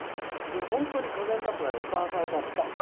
本当に「風に立つライオン」を歌わさせられたの。